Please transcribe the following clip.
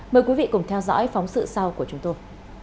mời quý vị cùng theo dõi phóng sự sau của chúng tôi